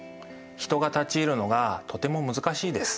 人が立ち入るのがとても難しいです。